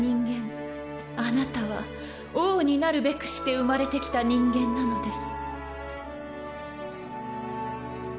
あなたは王になるべくして生まれてきた人間なのです。